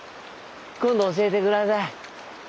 今度教えて下さい。